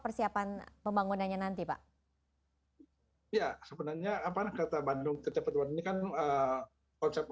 persiapan pembangunannya nanti pak ya sebenarnya apaan kata bandung cepet cepet ini kan konsep